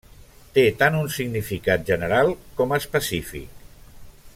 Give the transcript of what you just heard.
Té tant un significat general com específic.